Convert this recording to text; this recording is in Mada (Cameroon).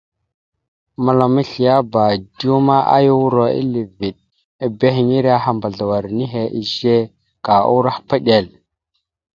Mǝlam esleaba, dew ma, aya uro ille veɗ ebehiŋire aha mbazləwar nehe izze, ka uro ahpaɗ iɗel.